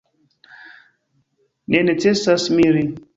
Ne necesas miri.